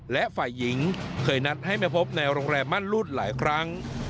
และฝ่ายหญิงเคยนัดให้มาพบในโรงแรมมั่นรูดหลายครั้ง